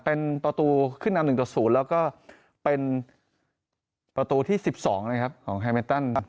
เป็นประตูขึ้นอำนึงตัวศูนย์แล้วก็เป็นประตูที่๑๒นะครับของแฮร์เมนตัน